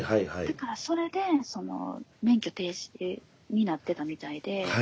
だからそれで免許停止になってたみたいで。